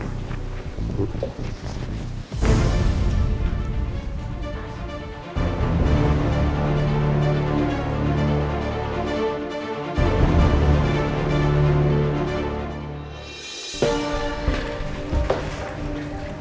sampai jumpa di video selanjutnya